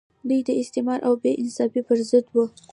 دوی د استثمار او بې انصافۍ پر ضد وو.